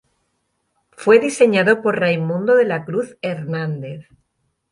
Fue diseñado por Raymundo De la Cruz Hernández.